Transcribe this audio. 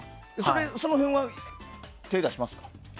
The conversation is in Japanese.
その辺は手を出しますか？